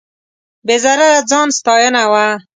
بې ضرره ځان ستاینه وه.